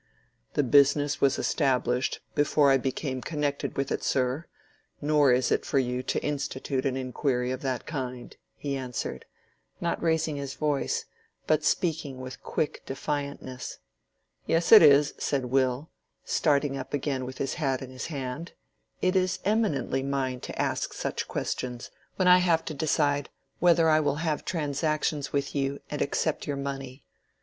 "The business was established before I became connected with it, sir; nor is it for you to institute an inquiry of that kind," he answered, not raising his voice, but speaking with quick defiantness. "Yes, it is," said Will, starting up again with his hat in his hand. "It is eminently mine to ask such questions, when I have to decide whether I will have transactions with you and accept your money.